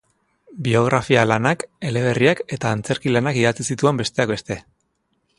Biografia-lanak, eleberriak eta antzerki lanak idatzi zituen, besteak beste.